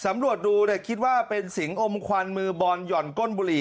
ตำรวจดูคิดว่าเป็นสิงอมควันมือบอลหย่อนก้นบุหรี่